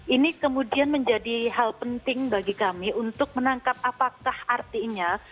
ini kemudian menjadi hal penting bagi kami untuk menangkap apakah artinya